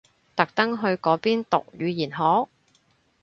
特登去嗰邊讀語言學？